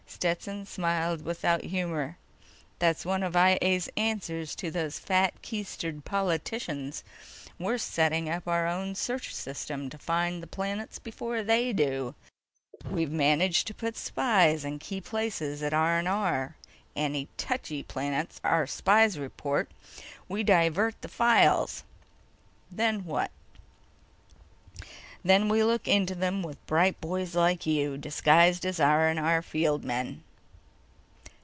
Stetson smiled without humor. "That's one of I A's answers to those fat keistered politicians. We're setting up our own search system to find the planets before they do. We've managed to put spies in key places at R&R. Any touchy planets our spies report, we divert the files." "Then what?" "Then we look into them with bright boys like you—disguised as R&R field men."